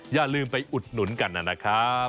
อย่าลืมไปอุดหนุนกันนะครับ